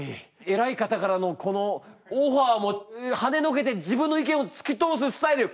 えらい方からのこのオファーもはねのけて自分の意見をつき通すスタイル！